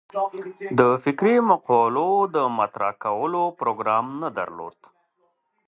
د فکري مقولو د مطرح کولو پروګرام نه درلود.